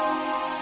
gue sama bapaknya